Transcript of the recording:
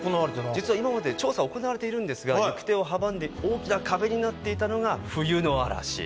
実は今まで調査は行われているんですが行く手を阻んで大きな壁になっていたのが冬の嵐。